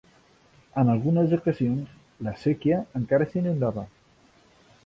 En algunes ocasions la séquia encara s'inundava.